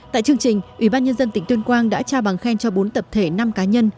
tại chương trình ủy ban nhân dân tỉnh tuyên quang đã trao bằng khen cho bốn tập thể năm cá nhân